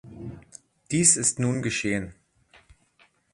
Dies ist nun geschehen.